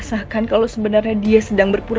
jangan lagi membuat onar di sini